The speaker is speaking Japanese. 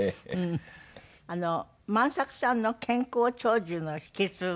万作さんの健康長寿の秘訣はどういう？